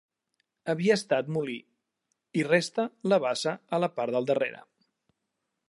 Havia estat molí, hi resta la bassa a la part del darrere.